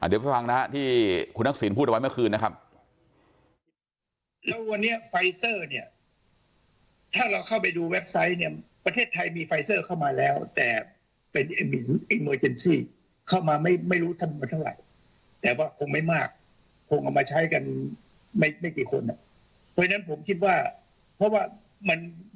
เดี๋ยวฟังนะครับที่คุณทักษิณพูดเอาไว้เมื่อคืนนะครับ